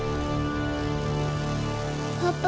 パパ。